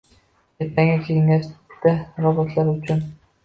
Ertangi kengashda robotlar uchun